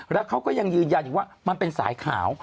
แล้วเขาก็ยังยืนยันอีกว่ามันเป็นสายขาว